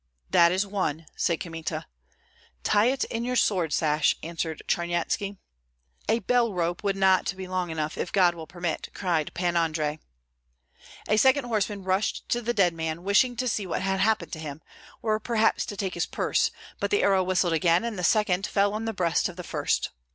"That is one!" said Kmita. "Tie it in your sword sash," answered Charnyetski. "A bell rope would not be long enough, if God will permit!" cried Pan Andrei. A second horseman rushed to the dead man, wishing to see what had happened to him, or perhaps to take his purse, but the arrow whistled again, and the second fell on the breast of the first.